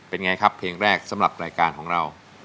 เป็นไงครับเพลงแรกสำหรับรายการของเรา